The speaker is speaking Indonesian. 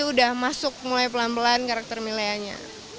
udah masuk mulai pelan pelan karakter mileanya